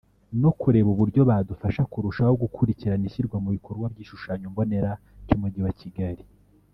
no kureba uburyo badufasha kurushaho gukurikirana ishyirwa mu bikorwa ry’igishushanyo mbonera cy’umujyi wa Kigali